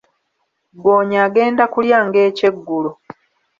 Ggoonya agenda kulya nga ekyeggulo.